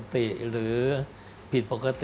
นี่เป็นอะไร